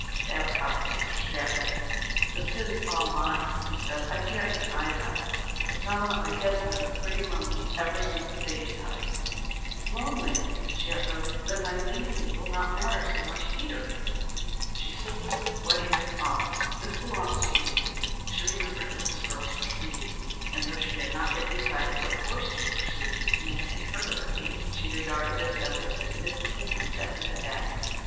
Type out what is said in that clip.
Babcock faced her sadly. "The sin's all mine," he said. "I can't deny that. But, Selma, I guess I've been pretty lonely ever since the baby died." "Lonely?" she echoed. "Then my leaving you will not matter so much. Here," she said, slipping off her wedding ring, "this belongs to you." She remembered Mrs. Earle's proceeding, and though she had not yet decided what course to pursue in order to maintain her liberty, she regarded this as the significant and definite act.